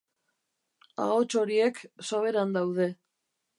Ahots horiek soberan daude.